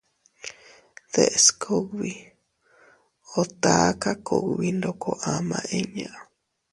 Deʼes kugbi o taka kugbi ndoko ama inña.